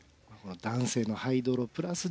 男性のハイドロプラス